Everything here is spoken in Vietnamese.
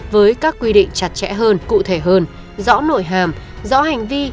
với các quy định chặt chẽ hơn cụ thể hơn rõ nội hàm rõ hành vi